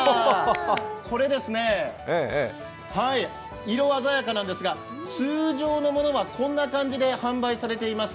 これですね、色鮮やかなんですが通常のものは、こんな感じで販売されています。